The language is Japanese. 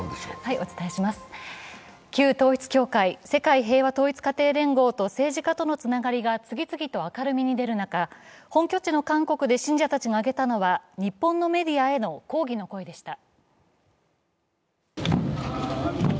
旧統一教会＝世界平和統一家庭連合と政治家とのつながりが次々と明るみに出る中、本拠地の韓国で信者たちが上げたのは日本のメディアへの抗議の声でした。